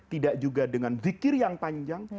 tidak juga dengan zikir yang panjang